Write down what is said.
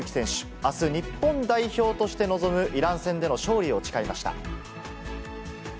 あす、日本代表として臨むイラン戦での勝利を誓いました。